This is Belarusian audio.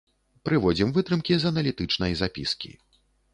Прыводзім вытрымкі з аналітычнай запіскі.